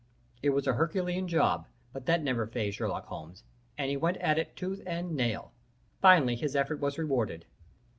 It was a herculean job, but that never feazed Sherlock Holmes, and he went at it tooth and nail. Finally his effort was rewarded.